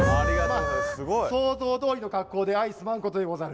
想像どおりの格好であいすまんことでござる。